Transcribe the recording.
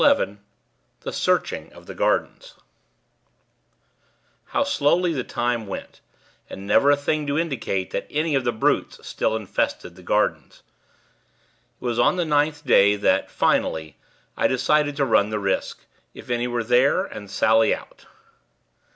XI THE SEARCHING OF THE GARDENS How slowly the time went; and never a thing to indicate that any of the brutes still infested the gardens. It was on the ninth day that, finally, I decided to run the risk, if any there were, and sally out.